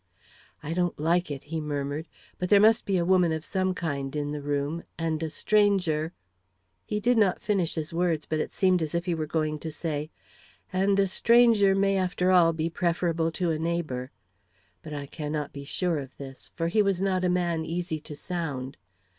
"I don't like it," he murmured; "but there must be a woman of some kind in the room, and a stranger " He did not finish his words, but it seemed as if he were going to say: "And a stranger may, after all, be preferable to a neighbor." But I cannot be sure of this, for he was not a man easy to sound.